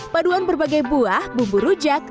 paduan berbagai buah bumbu rujak